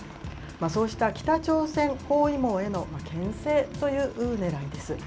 そうした北朝鮮包囲網へのけん制というねらいです。